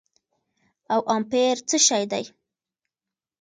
او امپير څه شي دي